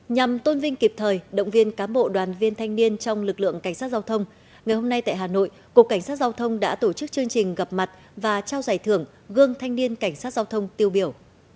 nhằm tôn vinh kịp thời động viên cám bộ đoàn viên thanh niên trong lực lượng cảnh sát giao thông ngày hôm nay tại hà nội cục cảnh sát giao thông đã tổ chức chương trình gặp mặt và trao giải thưởng gương thanh niên cảnh sát giao thông tiêu biểu